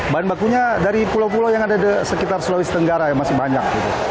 bahan bakunya dari pulau pulau yang ada di sekitar sulawesi tenggara yang masih banyak